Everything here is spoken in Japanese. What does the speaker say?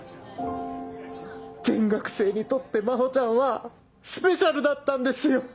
全学生にとって真帆ちゃんはスペシャルだったんですよ！